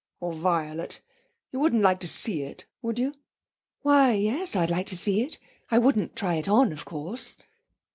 Or violet?... You wouldn't like to see it, would you?' 'Why, yes, I'd like to see it; I wouldn't try it on of course.'